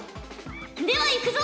ではいくぞ。